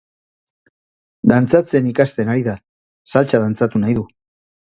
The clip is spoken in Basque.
Dantzatzen ikasten ari da, saltsa dantzatu nahi du.